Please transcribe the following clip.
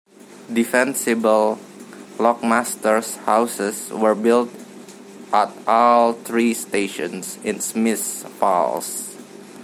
Defensible lockmasters' houses were built at all three stations in Smiths Falls.